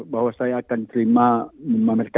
bahwa saya akan terima